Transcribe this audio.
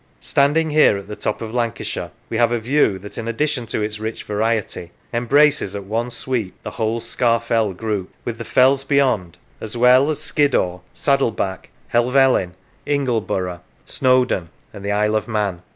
Standing here at the top of Lancashire we have a view that, in addition to its rich variety, embraces at one sweep the whole Scafell group, with the fells beyond, as well as Skiddaw, Saddleback, Helvellyn, Ingleborough, 7 Lancashire Snowdon, and the Isle of Man.